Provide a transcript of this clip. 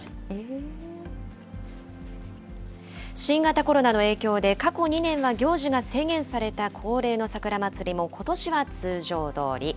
新型コロナの影響で、過去２年は行事が制限された恒例の桜祭りも、ことしは通常どおり。